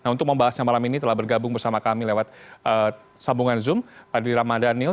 untuk membahasnya malam ini telah bergabung bersama kami lewat sambungan zoom di ramadanil